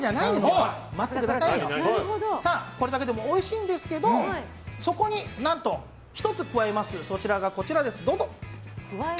これだけでもおいしいんですけど、そこに何と１つ加える、それがこちらです。